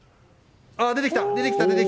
出てきた！